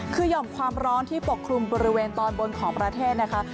คือห่อมความร้อนที่ปกคลุมบริเวณตอนบนของประเทศนะคะ